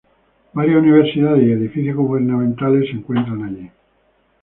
Varias universidades y edificios gubernamentales se encuentran allí.